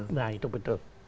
nah itu betul